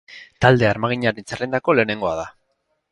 Talde armaginaren zerrendako lehenengoa da.